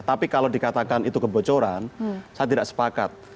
tapi kalau dikatakan itu kebocoran saya tidak sepakat